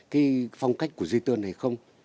cái phong cách của di tơ này không